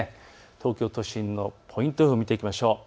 東京都心のポイント予報を見ていきましょう。